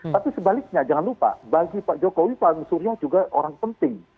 tapi sebaliknya jangan lupa bagi pak jokowi pak surya juga orang penting